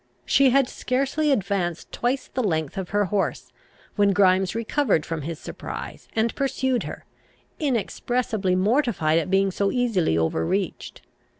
She had scarcely advanced twice the length of her horse, when Grimes recovered from his surprise, and pursued her, inexpressibly mortified at being so easily overreached.